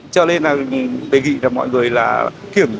cho nên là đề nghị mọi người là kiểm